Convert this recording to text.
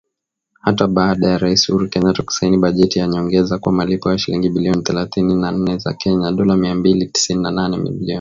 Hata baada ya Rais Uhuru Kenyatta kusaini bajeti ya nyongeza kwa malipo ya shilingi bilioni thelathini na nne za Kenya (dolla mia mbili tisini na nane milioni).